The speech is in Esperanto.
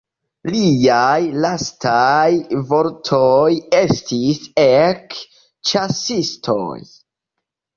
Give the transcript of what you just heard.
Liaj lastaj vortoj estis: "Ek, ĉasistoj!